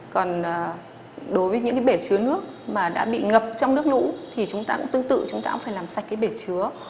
còn đối với những cái bể chứa nước mà đã bị ngập trong nước lũ thì chúng ta cũng tương tự chúng ta cũng phải làm sạch cái bể chứa